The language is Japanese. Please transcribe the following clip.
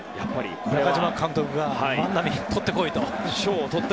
中嶋監督が万波、とってこいと。